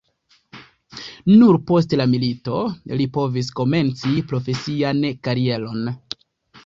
Nur post la milito li povis komenci profesian karieron.